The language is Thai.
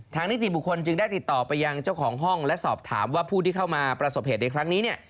นิติบุคคลจึงได้ติดต่อไปยังเจ้าของห้องและสอบถามว่าผู้ที่เข้ามาประสบเหตุในครั้งนี้เนี่ย